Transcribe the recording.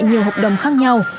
nhiều hợp đồng khác nhau